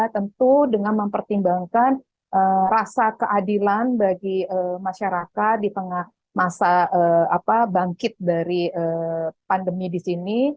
tentu dengan mempertimbangkan rasa keadilan bagi masyarakat di tengah masa bangkit dari pandemi di sini